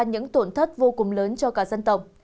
những tổn thất vô cùng lớn cho cả dân tộc